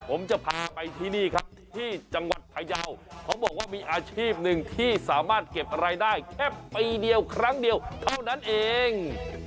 ผมจะพาไปที่นี่ครับที่จังหวัดพยาวเขาบอกว่ามีอาชีพหนึ่งที่สามารถเก็บอะไรได้แค่ปีเดียวครั้งเดียวเท่านั้นเอง